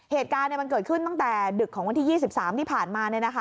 เหตุการณ์มันเกิดขึ้นตั้งแต่ดึกของวันที่๒๓ที่ผ่านมา